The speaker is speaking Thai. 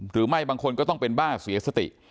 หรือไม่บางคนก็ต้องเป็นบ้าเสียสติ